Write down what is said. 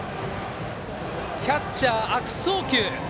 キャッチャー悪送球。